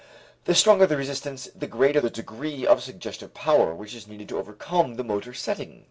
The stronger the resistance, the greater the degree of suggestive power which is needed to overcome the motor setting.